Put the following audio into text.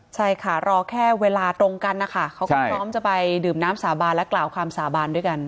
ใช่ค่ะรอแค่เวลาตรงกันนะคะเขาก็พร้อมจะไปดื่มน้ำสาบานและกล่าวคำสาบานด้วยกัน